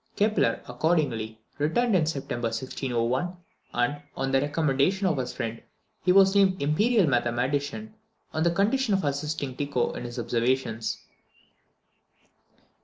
Kepler, accordingly, returned in September 1601, and, on the recommendation of his friend, he was named imperial mathematician, on the condition of assisting Tycho in his observations.